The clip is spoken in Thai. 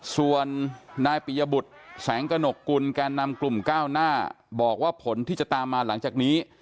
ส่วนนายปิยบุตรแสงกระหนกกุลแก่นำกลุ่มก้าวหน้าบอกว่าผลที่จะตามมาหลังจากนี้